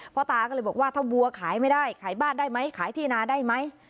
ตาก็เลยบอกว่าถ้าวัวขายไม่ได้ขายบ้านได้ไหมขายที่นาได้ไหม